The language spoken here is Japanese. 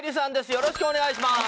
よろしくお願いします